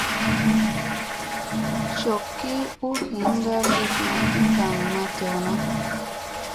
Jokki u hiindi luɗna ki gaŋ ma dew.